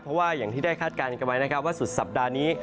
เพราะว่าอย่างที่ได้คาดการณ์กันไว้นะครับว่าสุดสัปดาห์นี้